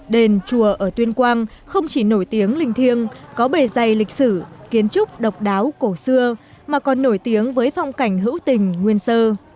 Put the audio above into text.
đền chùa ở tuyên quang không chỉ nổi tiếng linh thiêng có bề dày lịch sử kiến trúc độc đáo cổ xưa mà còn nổi tiếng với phong cảnh hữu tình nguyên sơ